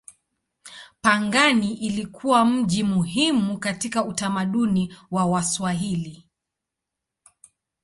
Pangani ilikuwa mji muhimu katika utamaduni wa Waswahili.